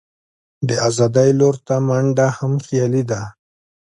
د آزادۍ لور ته منډه هم خیالي ده.